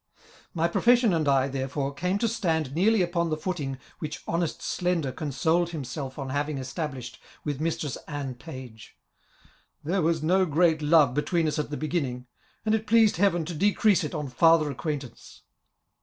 My profession and I, therefore, came to stand nearly upon the footing which honest Slender consoled himself on having established with Mistress Anne Page ;" There was no great love between us at the beginning, and if pleased Heaven to decrease it on farther acquaintance.''